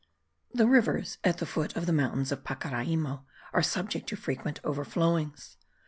The rivers at the foot of the mountains of Pacaraimo are subject to frequent overflowings.